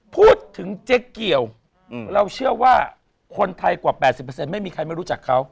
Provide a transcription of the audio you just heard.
พูดถึงเจ๊เกียวเราเชื่อว่าคนไทยกว่า๘๐ไม่มีใครไม่รู้จักเขา